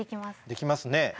できますね。